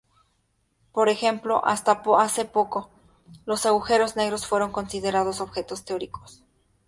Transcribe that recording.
Por ejemplo, hasta hace poco, los agujeros negros fueron considerados objetos teóricos.